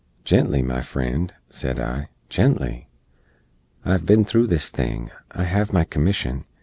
"Gently, my frend," sed I, "gently! I hev bin thro' this thing; I hev my commission.